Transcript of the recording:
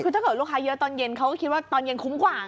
คือถ้าเกิดลูกค้าเยอะตอนเย็นเขาก็คิดว่าตอนเย็นคุ้มกว่า